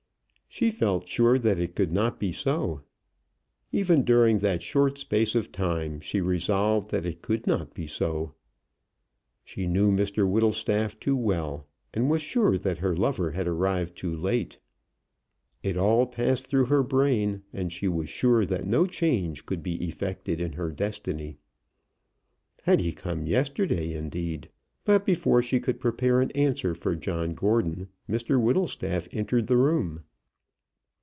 She felt sure that it could not be so. Even during that short space of time, she resolved that it could not be so. She knew Mr Whittlestaff too well, and was sure that her lover had arrived too late. It all passed through her brain, and she was sure that no change could be effected in her destiny. Had he come yesterday, indeed? But before she could prepare an answer for John Gordon, Mr Whittlestaff entered the room.